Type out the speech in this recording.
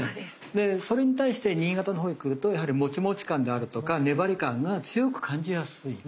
でそれに対して新潟のほうに来るとやはりモチモチ感であるとか粘り感が強く感じやすい。